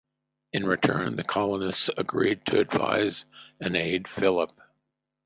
In return, the colonists agreed to advise and aid Philip.